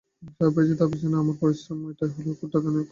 যা পেয়েছি তার পেছনে আছে আমার পরিশ্রম, এটাই হলো গোটা দুনিয়ার নিয়ম।